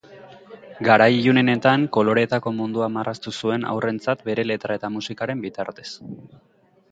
Garai ilunenetan, koloreetako mundua marraztu zuen haurrentzat bere letra eta musikaren bitartez.